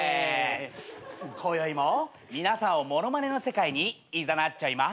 こよいも皆さんを物まねの世界にいざなっちゃいま。